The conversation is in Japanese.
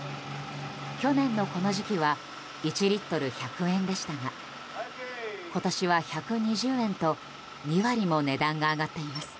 去年のこの時期は１リットル１００円でしたが今年は１２０円と２割も値段が上がっています。